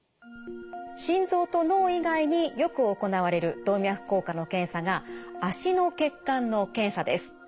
心臓と脳以外によく行われる動脈硬化の検査が脚の血管の検査です。